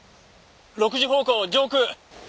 ６時方向上空。